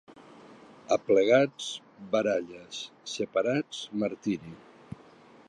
Aplegats, baralles; separats, martiri.